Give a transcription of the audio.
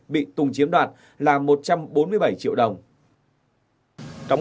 bị tùng chiếm đoạt là một trăm bốn mươi bảy triệu đồng